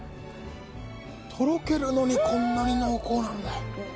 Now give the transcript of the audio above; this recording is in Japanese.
とろけるのにこんなに濃厚なんだ。